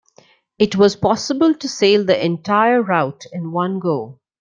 It was possible to sail the entire route in one go.